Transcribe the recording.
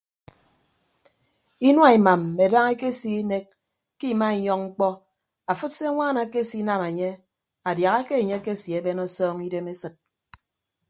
Inua imam mme daña ekese inek ke imainyọñ mkpọ afịd se añwaan ekesinam enye adiaha ke enye akese ben ọsọñ idem esịt.